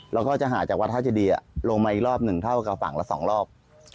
แล้วก็จะหาจากวัดท่าเจดีลงมาอีกรอบหนึ่งเท่ากับฝั่งละ๒รอบ